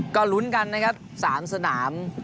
ก็ลุ้นกันนะครับ๓สนาม